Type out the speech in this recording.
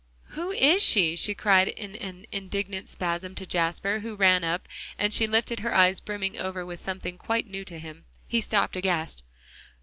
"Who is she?" she cried in an indignant spasm to Jasper, who ran up, and she lifted her eyes brimming over with something quite new to him. He stopped aghast.